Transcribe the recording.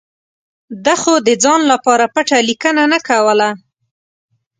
ده خو د ځان لپاره پټه لیکنه نه کوله.